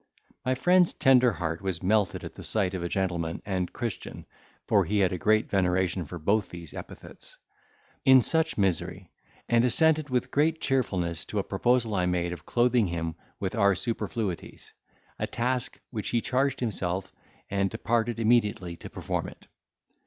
My friend's tender heart was melted at the sight of a gentleman and Christian (for he had a great veneration for both these epithets) in such misery; and assented with great cheerfulness to a proposal I made of clothing him with the our superfluities; a task with which he charged himself, and departed immediately to perform it.